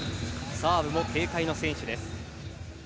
サーブも警戒の選手です。